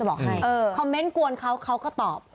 บอกให้คอมเมนต์กวนเขาเขาก็ตอบ